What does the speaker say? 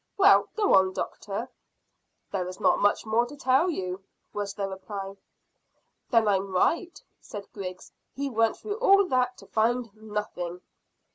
Well, go on, doctor." "There is not much more to tell you," was the reply. "Then I'm right," said Griggs; "he went through all that to find nothing."